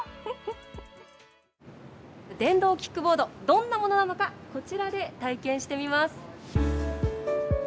電動キックボードどんなものなのかこちらで体験してみます。